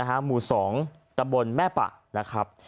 หมู่๒ตำบลแม่ปะนะครับ